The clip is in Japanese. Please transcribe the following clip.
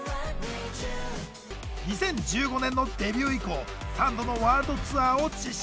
２０１５年のデビュー以降３度のワールドツアーを実施。